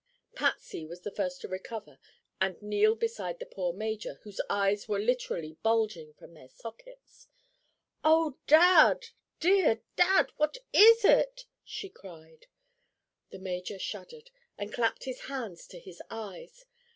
Patsy was the first to recover and kneel beside the poor major, whose eyes were literally bulging from their sockets. "Oh, Dad—dear Dad!—what is it?" she cried. The major shuddered and clapped his hands to his eyes.